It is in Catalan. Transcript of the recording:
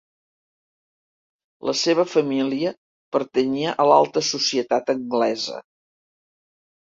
La seva família pertanyia a l'alta societat anglesa.